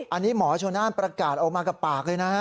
อันนี้หมอชนน่านประกาศออกมากับปากเลยนะฮะ